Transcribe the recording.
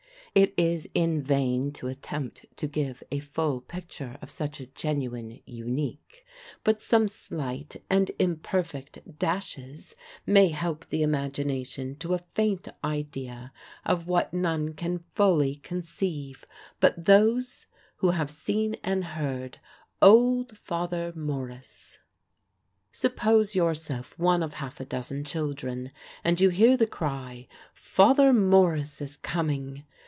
It is in vain to attempt to give a full picture of such a genuine unique; but some slight and imperfect dashes may help the imagination to a faint idea of what none can fully conceive but those who have seen and heard old Father Morris. Suppose yourself one of half a dozen children, and you hear the cry, "Father Morris is coming!"